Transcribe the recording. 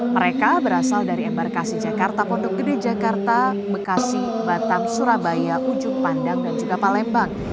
mereka berasal dari embarkasi jakarta pondok gede jakarta bekasi batam surabaya ujung pandang dan juga palembang